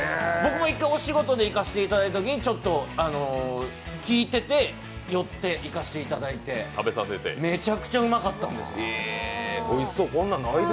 僕も１回お仕事で行かせていただいたときにちょっと聞いてて寄って行かせていただいてめちゃくちゃうまかったんです。